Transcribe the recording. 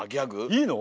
いいの？